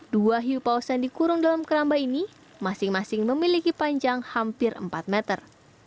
dua hiu paus yang dikurung dalam keramba ini masing masing memiliki panjang hampir empat meter